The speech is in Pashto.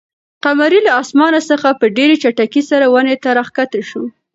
قمرۍ له اسمانه څخه په ډېرې چټکۍ سره ونې ته راښکته شوه.